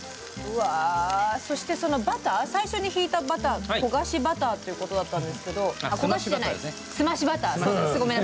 そしてそのバター最初にひいたバター焦がしバターっていうことだったんですが焦がしじゃない澄ましバター